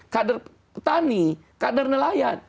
kader petani kader nelayan